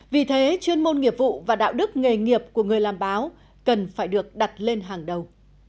vì thế chuyên môn nghiệp vụ và đạo đức nghề nghiệp của người làm báo cần phải được đặt lên hàng đầu